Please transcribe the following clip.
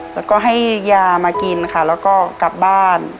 แล้วก็ให้ยามากินค่ะแล้วก็กลับบ้าน